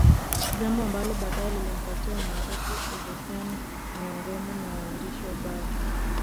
Jambo ambalo baadae lilimpatia umaarufu hususan miongoni mwa waandishi wa habari